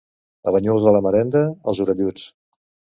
A Banyuls de la Marenda, els orelluts.